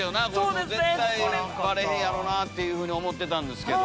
絶対バレへんやろなって思ってたんですけど。